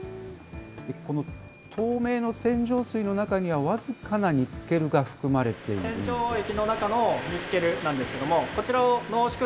この透明の洗浄水の中には僅かなニッケルが含まれているんです。ですよね。